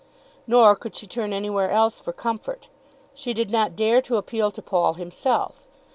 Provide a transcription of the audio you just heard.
Nor could she turn anywhere else for comfort. She did not dare to appeal to Paul himself.